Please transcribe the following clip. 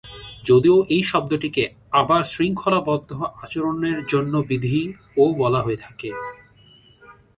যদিও এই শব্দটিকে আবার "শৃঙ্খলাবদ্ধ আচরণের জন্য বিধি" ও বলা হয়ে থাকে।